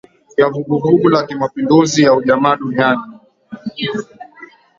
Ya vuguvugu la kimapinduzi ya ujamaa duniani